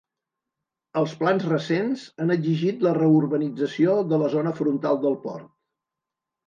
Els plans recents han exigit la reurbanització de la zona frontal del port.